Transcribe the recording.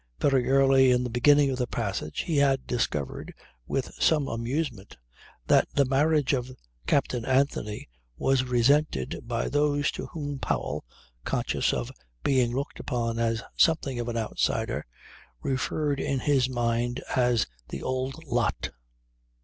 Very early in the beginning of the passage, he had discovered with some amusement that the marriage of Captain Anthony was resented by those to whom Powell (conscious of being looked upon as something of an outsider) referred in his mind as 'the old lot.'